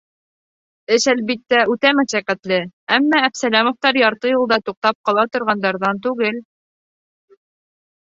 Эш, әлбиттә, үтә мәшәҡәтле, әммә Әбсәләмовтар ярты юлда туҡтап ҡала торғандарҙан түгел.